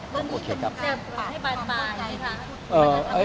วันนี้คุณจะให้บานปลายไหมครับ